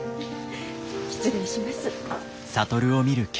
失礼します。